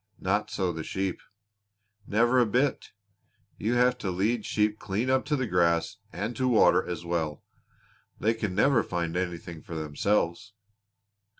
Not so the sheep! Never a bit! You have to lead sheep clean up to grass and to water as well. They can never find anything for themselves."